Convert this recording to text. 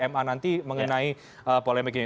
ma nanti mengenai polemik ini